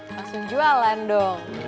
langsung jualan dong